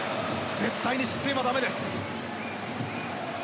絶対に失点はだめです。